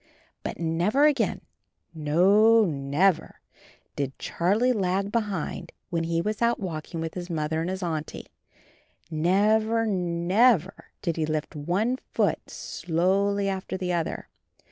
But never again, no never did Charlie lag behind when he was out walking with his Mother and his Auntie — never, never, did he lift one foot slowly after the other.